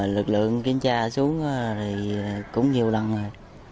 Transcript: lực lượng kiểm tra xuống thì cũng nhiều lần rồi